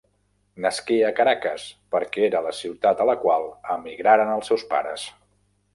Nasqué a Caracas perquè era la ciutat a la qual emigraren els seus pares.